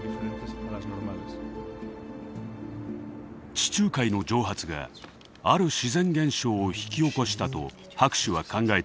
地中海の蒸発がある自然現象を引き起こしたと博士は考えています。